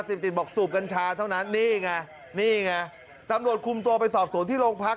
ติดบอกสูบกัญชาเท่านั้นนี่ไงนี่ไงตำรวจคุมตัวไปสอบสวนที่โรงพัก